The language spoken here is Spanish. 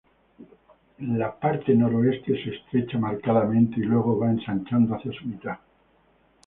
La parte noroeste se estrecha marcadamente y luego va ensanchando hacia su mitad.